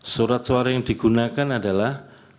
surat suara yang digunakan adalah